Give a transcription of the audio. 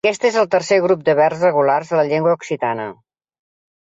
Aquest és el tercer grup de verbs regulars de la llengua occitana.